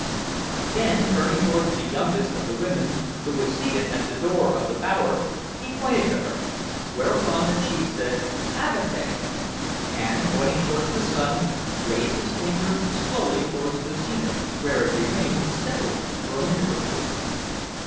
Then turning towards the youngest of the women, who was seated at the door of the bower, he pointed to her; whereupon the chief said "Avatea," and pointing towards the sun, raised his finger slowly towards the zenith, where it remained steadily for a minute or two.